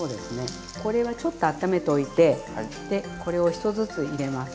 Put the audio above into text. これはちょっと温めておいてこれを１つずつ入れます。